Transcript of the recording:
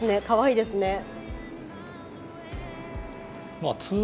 かわいいですね。